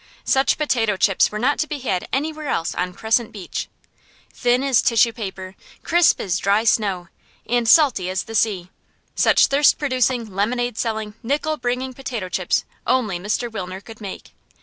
Such potato chips were not to be had anywhere else on Crescent Beach. Thin as tissue paper, crisp as dry snow, and salt as the sea such thirst producing, lemonade selling, nickel bringing potato chips only Mr. Wilner could make.